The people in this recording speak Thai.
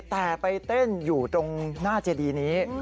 แต่ไปเต้นอยู่ตรงหน้าเจดีนี้